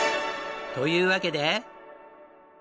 というわけで。